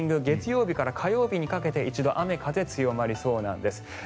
月曜日から火曜日にかけて一度雨、風が強まりそうなんです。